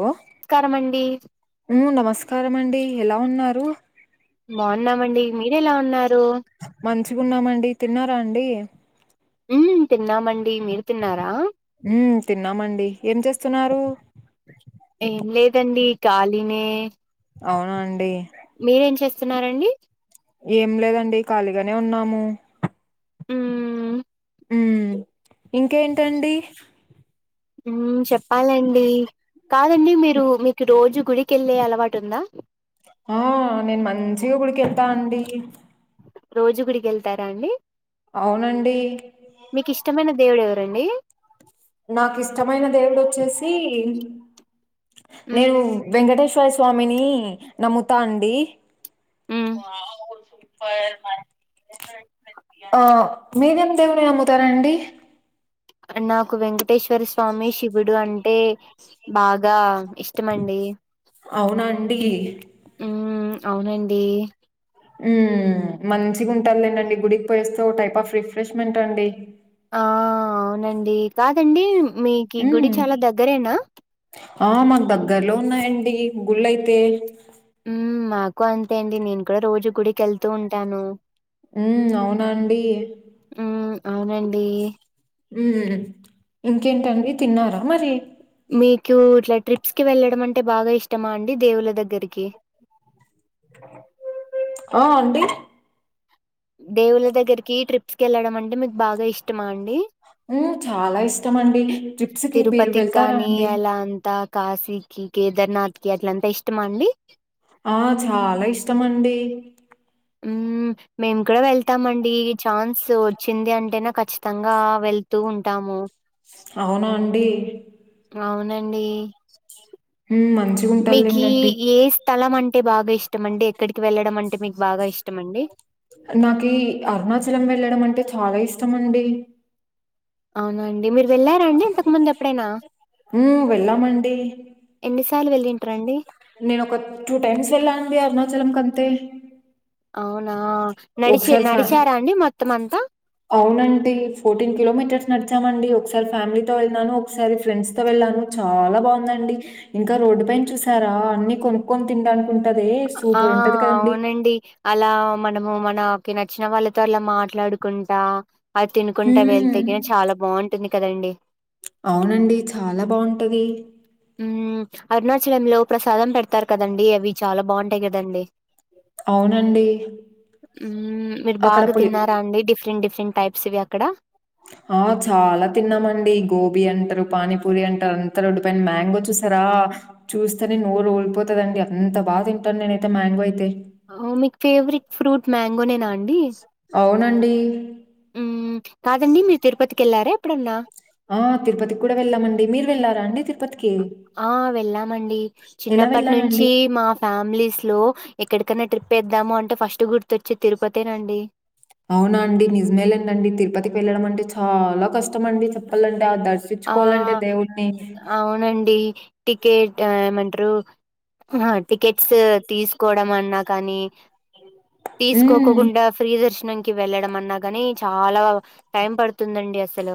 ఓ స్కారమండి ఉమ్ నమస్కారం అండి ఎలా ఉన్నారు బాగున్నామండి మీర ఎలా ఉన్నారు మంచిగున్నామండి తిన్నారా అండి ఉమ్ తిన్నామండి మీరు తిన్నారా ఉ తిన్నామండి ఏం చేస్తున్నారు ఏం లేదండి ఖళినే అవున అండి మీరేం చేస్తున్నారండి ఏం లేదండి ఖాళీగానే ఉన్నాము హ్మ్ హ్మ్ ఇంకేంటండి హ్మ్ చెప్పాలండి కాదండి మీరు మీకు రోజు గుడికెళ్ళే అలవాటు ఉందా ఆ నేను మంచిగా గుడికెళ్తా అండి రోజు గుడికి వెళ్తారా అండి అవునండి మీకు ఇష్టమైన దేవుడు ఎవరండి నాకు ఇష్టమైన దేవుడు వచ్చేసి ఉమ్ నేను వెంకటేశ శ్వర స్వామిని నమ్ముతా అండి ఉమ్ ఓ మీరేమి దేవుడిని నమ్ముతారండి నాకు వెంకటేశ్వర స్వామి శివుడు అంటే బాగా ఇష్టమండి అవునా అండి హ్మ్ అవునండి హ్మ్ మంచిగా ఉంటాంలేండండి గుడికి పోయేస్తే ఓ టైప్ ఆఫ్ రిఫ్రెష్మెంట్ అండి ఆ అవునండి కాదండి మీకు గుడి హ్మ్ చాలా దగ్గరేనా ఆ మాకు దగ్గరలో ఉన్నాయండి గుళ్ళయితే హ్మ్ మాకు అంతే అండి నేను కూడా రోజు గుడికి వెళ్తూ ఉంటాను హ్మ్ అవునాండి హ్మ్. అవునండి హ్మ్ ఇంకేంటండి తిన్నారా మరి మీకు ఇట్లా ట్రప్స్కి వెళ్ళడం అంటే బాగా ఇష్టమా అండి దేవుల్ల దగ్గరికి ఆ ఆంటి దేవుల దగ్గరికి ట్రిప్స్ కి వెళ్ళడం అంటే మీకు బాగా ఇష్టమా అండి హ్మ్ చాలా ఇష్టమండి ట్రిప్స్ కి మీరు తిరుపతికి వెళ్తారా కానీ, అండి అలా అంతా కాశీకి కేదార్నాథ్ కి అట్లంతా ఇష్టమా అండి ఆ చాలా ఇష్టమండి హ్మ్ మేము కూడా వెళ్తామండి ఛాన్స్ వచ్చింది అంటేనే ఖచ్చితంగా వెళ్తూ ఉంటాము అవునా అండి అవునండి హ్మ్ మంచి మీకీ ఏ స్థలం అంటే బాగా ఇష్టం అండి ఎక్కడికి వెళ్ళడం అంటే మీకు బాగా ఇష్టం అండి నాకి అరుణాచలం వెళ్ళడం అంటే చాలా ఇష్టమండి అవునండి మీరు వెళ్ళారాండి ఇంతకు ముందు ఎప్పుడైనా హ్మ్ వెళ్ళామండి ఎన్నిసార్లు వెళ్ళింటరుండి నేనొక టూ టైమ్స్ వెళ్ళానండి అరుణాచలం కంతే అవునా నడిచి ఒకసారి ఫ్యా నడిచారా అండి మొత్తం అంతా అవునండి ఫోర్టీన్ కిలోమీటర్స్ నడిచామండి ఒకసారి ఫ్యామిలీతో వెళ్ళినాను ఒకసారి ఫ్రెండ్స్ తో వెళ్ళాను చాలా బావుందండి ఇంకా రోడ్డు పైన చూసారా అన్ని కొనుక్కొని తినడానికి ఉంటాదే సూపర్ ఉంటది కదండీ అండి అలా మనము మనకి నచ్చిన వాళ్ళతో అలా మాట్లాడుకుంటా అయి తినుకుంటా హ్మ్ వెల్తేనే చాలా బాగుంటుంది కదండి అవునండి చాలా బాగుంటది హ్మ్ అరుణాచలం లో ప్రసాదం పెడతారు కదండి అవి చాలా బాగుంటాయి కదండీ అవునండి హ్మ్ మీరు అక్కడ బాగా పులి తిన్నారా అండి డిఫరెంట్ డిఫరెంట్ టైప్ స్వి అక్కడ ఆ చాలా తిన్నామండి గోబీ అంటారు పానీపూరి అంటారు అంతా రోడ్డుపైన మ్యాంగో చూసారా చూస్తేనే నోరు ఊర్పోతదండి అంత బాగా తింటాను నేనైతే మ్యాంగో అయితే మీకు ఫేవరెట్ ఫ్రూట్ మ్యాంగోనేనా అండి అవునండి హ్మ్ కాదండి మీరు తిరుపతికి ఎళ్లారా ఎప్పుడన్నా ఆ తిరుపతికి కూడా వెళ్ళామండి మీరు వెళ్లారా అండి తిరు ఆ వెళ్ళామండి ఎలా చిన్నప్పటి నుంచి వెళ్లారండి? మా ఫ్యామిలీస్ లో ఎక్కడికైన్నా ట్రిప్ ఎద్దాము అంటే ఫస్ట్ గుర్తోచ్చేది తిరుపతేనండి అవునా అండి నిజమే లేండండి తిరుపతికి వెళ్ళడం అంటే చాలా కష్టమండి చెప్పాలంటే ఆ ఆ! దర్శించుకోవాలంటే దేవుణ్ణి హ్మ్. అవునండి టికెట్ ఏమంటారు టికెట్స్ తీసుకోవడం అన్నా కానీ హ్మ్. తీసుకోకుండా ఫ్రీ దర్శనం కి వెళ్ళడం అన్నా కాని చాలా టైం పడుతుందండి అసలు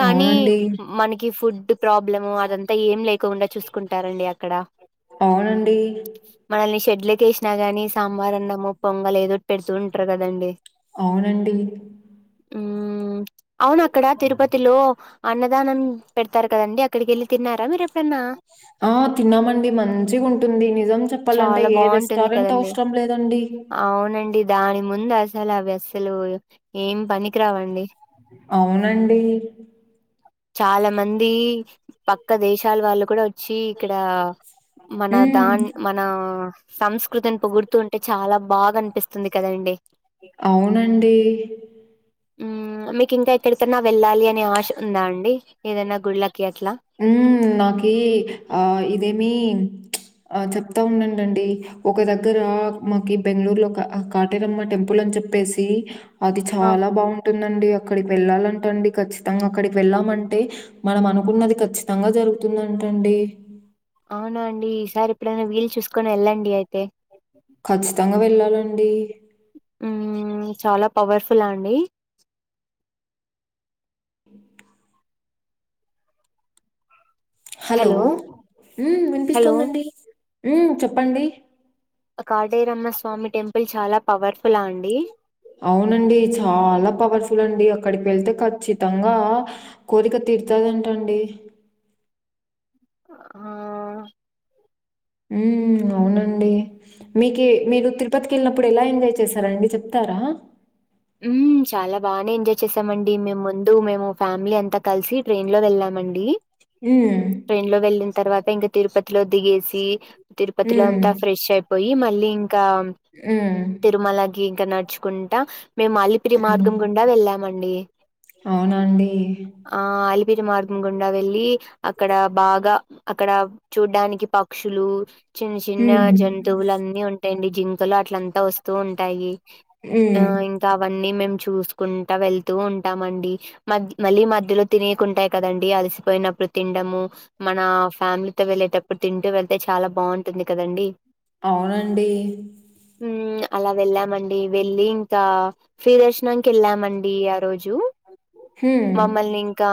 కానీ అవునండి. మనకి ఫుడ్ ప్రాబ్లం అదంతా ఏం లేకోకుండా చూసుకుంటారండి అక్కడ అవునండి మనల్ని షెడ్లోకేసినా గాని సాంబార్ అన్నమో పొంగలో ఏదోటి పెడుతూ ఉంటారు కదండి అవునండి హ్మ్ అవును అక్కడ తిరుపతిలో అన్నదానం పెడతారు కదండి అక్కడికి ఎళ్ళి తిన్నారా మీరు ఎప్పుడన్నా ఆ తిన్నామండి మంచిగా ఉంటుంది నిజం చెప్పాలంటే చాలా ఏ బాగుంటుంది రెస్టారెంట్ కదండి అవసరం లేదండి అవునండి దాని ముందు అసలు అవి అస్సలు ఏం పనికిరావండి అవునండి చాలా మంది పక్క దేశాల వాళ్ళు కూడా చ్చి ఇక్కడ మన హ్మ్. దాన్ మన్ నా సంస్కృతిని పొగుడుతూ ఉంటే చాలా బాగా అనిపిస్త కదండి అవునండి. హ్మ్ మీక్ ఇంకా ఎక్కడికన్నా వెళ్ళాలి అనే ఆశ ఉందా అండి ఏదైనా గుళ్లకి అట్లా హ్మ్ నాకీ ఇదేమి ఆ చెప్తా ఉండండండీ ఒక దగ్గర మాకి బెంగళూరు లో కాటేరమ్మ టెంపుల్ అని చెప్పేసి అది ఆ చాలా బాగుం ఉంటుందండి అక్కడికి వెళ్ళాలంట అండి ఖచ్చితంగా అక్కడికి వెళ్ళామంటే మనం అనుకున్నది ఖచ్చితంగా జరుగుతుందంటండీ అవునా అండి ఈసారి ఎప్పుడైనా వీలు చూసుకొని ఎళ్ళండి అయితే ఖచ్చితంగా వెళ్ళాలండి హ్మ్ చాలా పవర్ఫులా అండి హలో హ్మ్ హలో వినిపిస్తోందండి హ్మ్ చెప్పండి కాటేరమ్మ స్వామి టెంపుల్ చాలా పవర్ఫులా అండి. అవునండి చాలా పవర్ఫుల్ అండి అక్కడికి వెళ్తే ఖచ్చితంగా. కోరిక తిరుతదటండి. ఆ ఉ అవునండి మీకె మీరు తిరుపతికి వెళ్ళినప్పుడు ఎలా ఎంజాయ్ చేశారా అండి చెప్తారా. ఊ చాలా బానే ఎంజాయ్ చేసామండి మేము ముందు మేము ఫ్యామిలీ అంతా కలిసి. ట్రైన్ లో వెళ్ళామండి. ఊ ట్రైన్ లో వెళ్ళిన తర్వాత ఇంకా తిరుపతిలో దిగేసి తిరుపతిలో హ్మ్. అంతా ఫ్రెష్ అయి. పోయి మళ్ళీ ఇంకా. ఊ తిరుమలకి ఇకా నడుచుకుంటా మేము అలి. పిరి హ్మ్. మార్గం గుండా వెళ్ళామండి. అవునా అండి? ఆ అలిపిరి మార్గం గుండా వెళ్ళి అక్కడ బాగా అక్కడ. చూడ్డానికి పక్షులు. చిన్న చిన్న హ్మ్. జంతువులు అన్నీ ఉంటాయండి జింకలు అట్లంతా వస్తూ ఉంటాయి. ఆ హ్మ్. ఇంకా అవన్నీ మేము చూసుకుంటా వెళ్తూ ఉంటామండి. మ మళ్ళీ మధ్యలో తినకుంటాయి కదండి అలసిపోయినప్పుడు తిండము. మన ఫ్యామిలీతో వెళ్ళేటప్పుడు తింటూ వెళ్తే చాలా బాగుంటుంది కదండి. అవునండీ ఉమ్ అలా వెళ్ళామండి వెళ్ళి ఇంకా ఫ్రీ దర్శనానికి వెళ్ళామండీ ఆ రోజు హ్మ్. మమ్మల్ని ఇంకా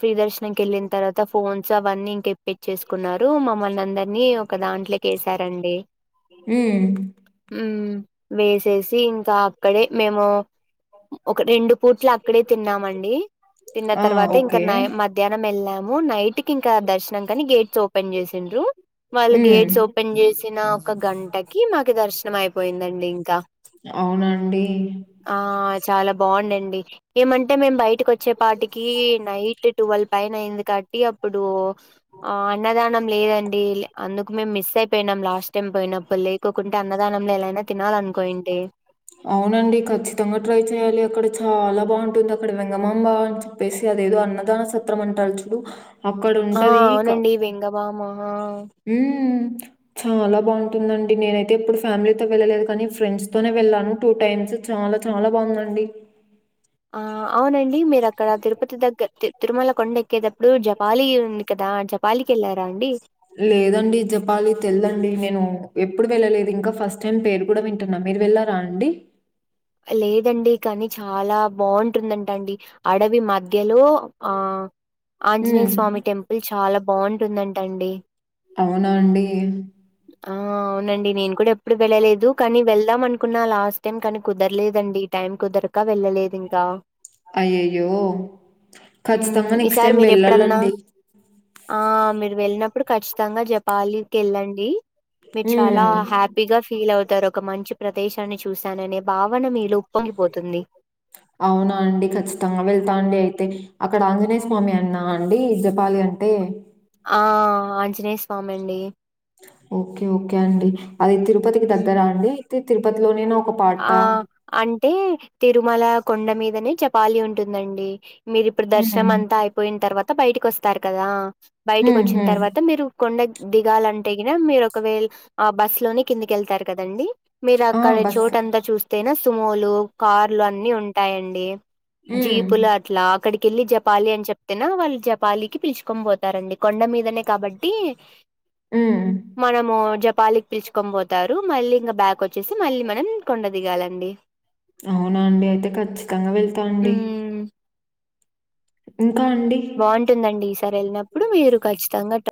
ఫ్రీ దర్శనం కెళ్ళిన్ తర్వాత ఫోన్స్ అవన్నీ ఇంకేం తేప్పిచ్చేసుకున్నారు మమ్మల్నందర్నీ ఒక దాం కేసారండి హ్మ్. ఊ వేసేసి ఇంకా అక్కడే మేము ఒక రెండు పూట్లక్కడే తిన్నామండి తిన్న ఆ! తర్వాత ఇంకా ఓకే. నయ మ ధ్యానం వెళ్ళాము నైట్కి ఇంకా దర్శనం కని గేట్స్ ఓపెన్ చేసిండ్రు. వాళ్ళు హ్మ్. గేట్స్ ఓపెన్ చేసిన ఒక గంటకి మాకు దర్శనం అయిపోయిందండి ఇంక అవునండి ఆ చాలా బాగుండండి ఏమంటే మేము బయటికొచ్చే పాటికీ నైట్ టువల్ పైన అయింది కాట్టి అప్పుడు ఆ అన్నదానం లేదండీ లె అందుకు మేము మిస్ అయిపొయినం లాస్ట్ టైం పోయినప్పులే కోకుంట అన్నదానంలో ఎలాయినా తినాలనుకోయింటి అవునండి ఖచ్చితంగా ట్రై చెయాలి అక్కడ చాలా బావుంటుందక్కడ వెంగమాంబా. ప్పేసి అదేదో అన్నదాన సత్రం అంటారు చుడు అక్కడ ఉంటదీ క అవునండి వెంగబామ వామా ఆ ఊమ్ చాలా బాగుంటుందండి నేనైతే ఎప్పుడు ఫ్యామిలీతో వెళ్ళలేదు, కనీ ఫ్రెండ్స్ తోనే వెళ్ళాను టూ టైమ్స్. చాలా చాలా బావుందండి ఆ అవునండి మీరు అక్కడ తిరుపతి దగ్గ తి తిరుమల కొండ ఎక్కేటప్పుడు జపాలి ఉంది కదా జపాలికెళ్లారా అండి. లేదండి చెప్పాలి తెల్దండి నేను ఎప్పుడు వెళ్ళలేదు ఇంకా ఫస్ట్ టైం పేరు కూడా వి న్నా మీరు వెళ్ళారా అండి లేదండి కానీ చాలా బాగుంటుందంట అండి అడవి మధ్యలో ఆ. ఆంజనేయ హ్మ్. స్వామి టెంపుల్ చాలా బావుంటుందంటండి. అవునా అండీ. ఆ అవునండి నేను కూడా ఎప్పుడు వెళ్ళలేదు కానీ వెళ్దాం అనుకున్నా లాస్ట్ టైం కను. కుదరలేదండి టైం కుదరక వెళ్ళలేదు ఇంకా. అయ్యయ్యో హ్మ్. ఖచ్చితంగా నెక్స్ట్ ఈసారి టైం మీరెప్పుడన్నా వెళ్ళాలండి. ఆ మీరు వెళ్ళినప్పుడు, ఖచ్చితంగా, జపాలికెళ్ళండి. మీరు చాలా హ్మ్. హ్యాపీగా, ఫీల్ అవుతారు, ఒక మంచి ప్రదేశాన్ని, చూసాననే. భావన మీలో, ఉప్పొంగిపోతుంది. అవునా అండి, ఖచ్చితంగా వెళ్తా అండి, అయితే అక్కడ ఆంజనేయ స్వామి అన్నా అండి జపాలి అ. దే. ఆ ఆంజనేయ స్వామిండీ. ఓకే ఓకే అండి అది తిరుపతికి హ్మ్. దగ్గరా అండీ ఐతే తిరుపతిలోనేనా ఒక ఆ! పార్టా. అంటే తిరుమల కొండ మీదనే చపాలీ ఉంటుందండి. మీరు ఇప్పుడు హ్మ్. దర్శనం అంతా అయిపోయిన్ తర్వాత బయటకి వస్తారు కదా హ్మ్. బయటకొచ్చిన్ హ్మ్. తర్వాత మీరు. కొండ దిగాలంటే గిన మీరు ఒకవేళ ఆ బస్ లోనే కిందికెళ్తారు కదండి. మీరు ఆ! అక్కడ బస్ చోటంతా చూస్తేనే సుమోలు కార్లు అన్నీ ఉంటాయండి. హ్మ్. జీపుల అ. ఇట్లా అక్కడికెళ్ళి జపాలి అని చెప్తెన వాళ్ళు జపాలికి పిలుచుకొని పోతారండి కొండ మీదనే కాబట్టి. ఉమ్. మనము జపాలికి పిల్చుకొంబోతారు మళ్ళీ ఇంగ బ్యాక్ వచ్చేసి మళ్ళీ మనం. కొండ దిగాలండి. అవునా అండి అయితే ఖచ్చితంగా వెళ్తా అండి. హ్మ్. ఇంకా అండి. బాగుంటుందండి ఈసారి వెళ్ళినప్పుడు మీరు చ్చితంగా ట.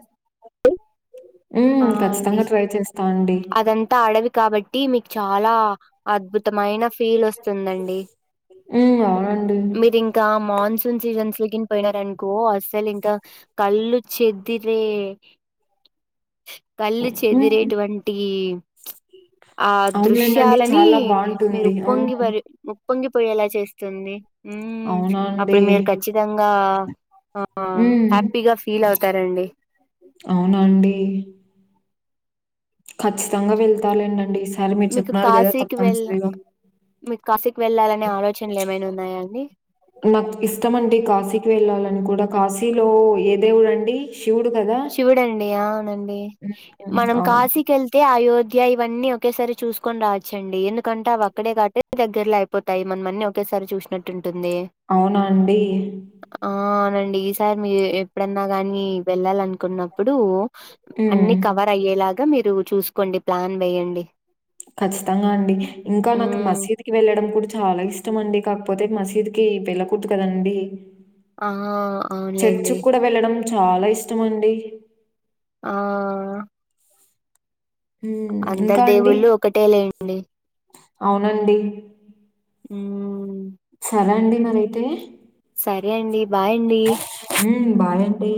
ఆ హ్మ్. అండి ఖచ్చితంగా ట్రై చేస్తా అండి. అదంతా అడవి కాబట్టి మీకు చాలా. అద్భుతమైన ఫీల్ ఓస్తుందండి హ్మ్. అవునండి. మీరిం. ఇంకా మాన్సూన్ సీజన్స్ లో కిని పోయినారు అనుకో అస్సలు ఇంకా. కళ్ళు చెదిరే. కళ్ళు హ్మ్. చెదిరేటువంటి. ఆ అవునులేండండి. దృశ్యాలని చాలా మీరు బావుంటుంది. ఉపొంగి హ్మ్. పరి. ముప్పొంగి పొయేలా చేస్తుంది ఉమ్ అవునా అప్పుడు అండి? మీరు ఖచ్చి. నిధంగా ఆ హ్మ్. హ్యాపీగా ఫీల్ అవుతారండి. అవునండి. ఖచ్చితంగా వెళ్తాలే న నాన్న ఈ సారి మీరు మీకు చెప్పన్నారు కదా కాశీకి వెళ్ తప్పనిసరిగా. మీకు కాసికి వెళ్ళాలనే ఆలోచనలు లే మైనవున్నాయండి. మకు ఇష్టమండి కాశీకి వెళ్ళాలని కూడా కాశీలో ఏదేవుడుండి. శివుడు కదా. శివుడండి అవునండి హ్మ్. మనం అవును. కాశీకేల్. అంటే అయోధ్య ఇవన్నీ ఒకేసారి చూసుకొని రావచ్చండి ఎందుకంటే అవి అక్కడే కాబట్టి దగ్గరలో ఐ. పోతాయి మన మన్ని ఒకేసారి చూసినట్టుటుంటుంది. అవునాండి. ఆ అవునండి ఈసారి మీరు ఎప్పుడన్నా గానీ వెళ్ళాల అనుకున్నప్పుడూ. హ్మ్. అన్ని కవర్ అయ్యేలాగా మీరు చూసుకోండి ప్లాన్ వేయండి. ఖచ్చితంగా అండి ఇంకా నాకు హ్మ్ మసీద్. వెళ్ళడం కూడా చాలా ఇష్టం అండి కాకపోతే మసీద్ కి వెళ్ళకూడదు కదండి ఆ చర్చి అవునులేండి కూడా వెళ్ళడం చాలా ఇష్టం అండి ఆ ఉమ్ అందరు ఇంకా అండి దేవుళ్ళు ఒకటే లేండి అవునండి ఊమ్ సరే అండి మరైతే సరే అండి బాయ్ అండి ఉమ్ బాయండి